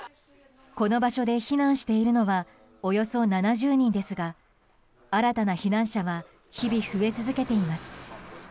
この場所で避難しているのはおよそ７０人ですが新たな避難者は日々、増え続けています。